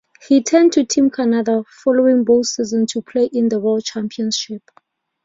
He returned to Team Canada following both seasons to play in the World Championships.